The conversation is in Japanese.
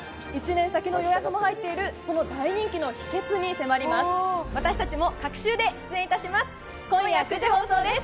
１年先の予約も入っている、その大人気の秘訣に迫ります。